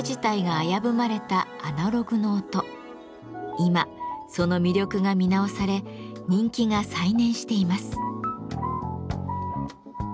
今その魅力が見直され人気が再燃しています。